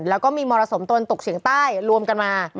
แล้วก็มีมรสุมตะวันตกเฉียงใต้รวมกันมา